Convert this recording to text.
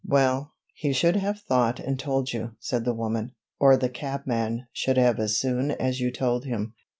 "Well, he should have thought and told you," said the woman, "or the cabman should have as soon as you told him."